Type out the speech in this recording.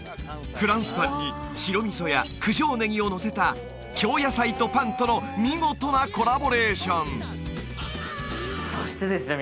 フランスパンに白味噌や九条ねぎをのせた京野菜とパンとの見事なコラボレーションそしてですね